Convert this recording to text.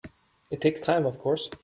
It takes time of course.